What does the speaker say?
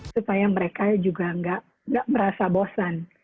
supaya mereka juga nggak merasa bosan